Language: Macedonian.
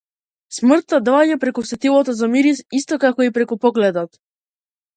Смртта доаѓа преку сетилото за мирис исто како и преку погледот.